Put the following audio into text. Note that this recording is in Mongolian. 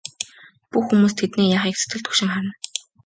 Бүх хүмүүс тэдний яахыг сэтгэл түгшин харна.